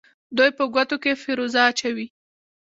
دوی په ګوتو کې فیروزه اچوي.